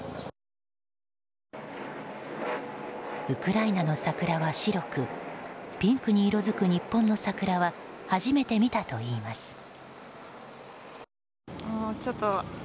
ウクライナの桜は白くピンクに色づく日本の桜は初めて見たといいます。